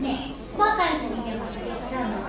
バカンスにでも行ってきたの？